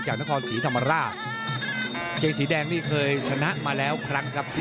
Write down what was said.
นครศรีธรรมราชเกงสีแดงนี่เคยชนะมาแล้วครั้งครับ